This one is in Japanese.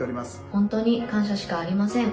本当に感謝しかありません。